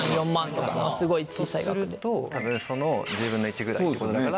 とするとたぶんその１０分の１ぐらいってことだから。